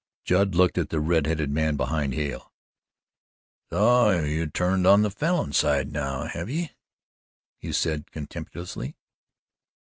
Judd looked at the red headed man behind Hale. "So you're turned on the Falin side now, have ye?" he said contemptuously.